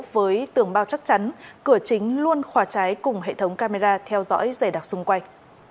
với tưởng bao chắc chắn cửa chính luôn khỏa trái cùng hệ thống camera theo dõi rẻ đặc xung quanh